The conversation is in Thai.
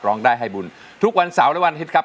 ร้องได้ให้บุญทุกวันเสาร์และวันอาทิตย์ครับ